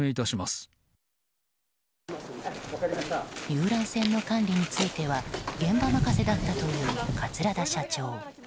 遊覧船の管理については現場任せだったという桂田社長。